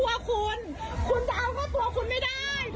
ทุกคนมาต้องการคำสมมติ